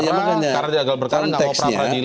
karena gelar perkara tidak boleh dilakukan